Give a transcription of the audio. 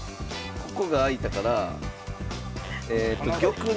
ここが空いたから玉の。